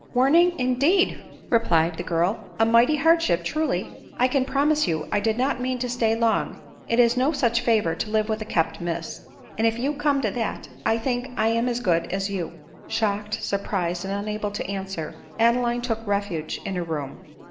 " Warning, indeed !" replied the girl'; " a mighty hard ship, truly ! I can promise you I did not mean to stay long ; it is no such favor to live with a kept miss ; and if you come to that, I think I am as good as you." Shocked, surprised, and unable to answer, Adeline took refuge in her room.